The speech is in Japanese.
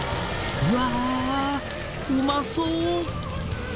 うわうまそ！